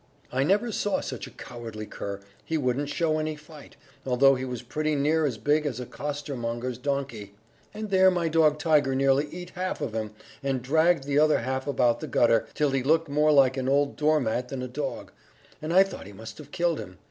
I never saw such a cowardly cur; he wouldn't show any fight, although he was pretty near as big as a costermonger's donkey; and there my dog Tiger nearly eat half of him, and dragged the other half about the gutter, till he looked more like an old door mat than a dog; and I thought he must have killed him